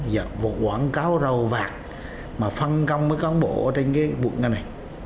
và một quảng cáo rầu vàng mà phân công với con bộ trên cái buộc này